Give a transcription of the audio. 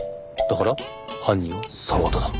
だから犯人は沢田だ。